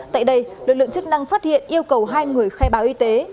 tại đây lực lượng chức năng phát hiện yêu cầu hai người khai báo y tế